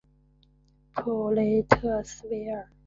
普雷特勒维尔。